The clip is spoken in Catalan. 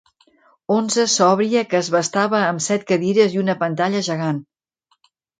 Onze sòbria que es bastava amb set cadires i una pantalla gegant.